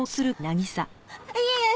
いえいえ！